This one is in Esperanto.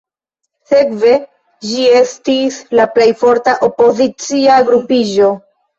Sekve ĝi estis la plej forta opozicia grupiĝo.